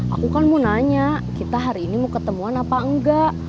aku kan mau nanya kita hari ini mau ketemuan apa enggak